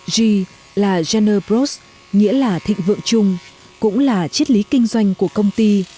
g là genre bros nghĩa là thịnh vượng chung cũng là triết lý kinh doanh của công ty